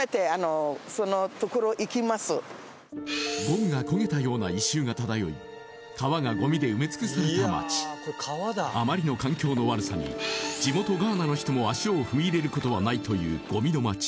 ゴムが焦げたような異臭が漂い川がゴミで埋め尽くされた街あまりの環境の悪さに地元ガーナの人も足を踏み入れることはないというゴミの街